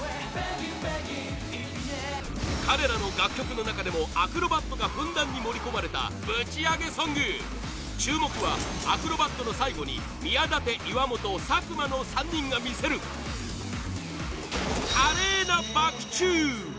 彼らの楽曲の中でもアクロバットがふんだんに盛り込まれたぶちアゲソング注目は、アクロバットの最後に宮舘、岩本、佐久間の３人が見せる華麗なバク宙！